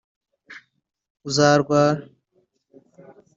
uzarwara